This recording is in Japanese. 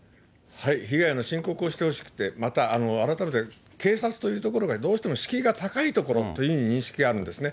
被害の申告をしてほしくて、また、改めて警察という所が、どうしても敷居が高いところという認識があるんですね。